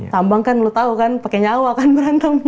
tambang kan lo tau kan pake nyawa kan berantemnya